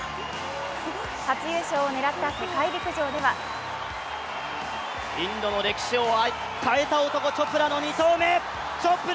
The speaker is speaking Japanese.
初優勝を狙った世界陸上ではインドの歴史を変えた男チョプラの２投目。